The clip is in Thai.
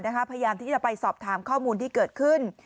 พยายามที่จะไปสอบถามข้อมูลที่เกิดขึ้น